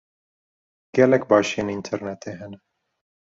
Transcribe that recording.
Gelek başiyên înternetê hene.